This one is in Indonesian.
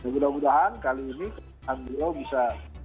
mudah mudahan kali ini kan dia bisa